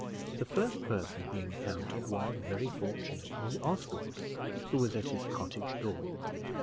The first person he encountered was, very fortunately, Oswald, who was at his cottage door.